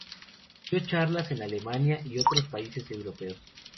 Dio charlas en Alemania y otros países europeos.